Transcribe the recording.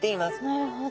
なるほど。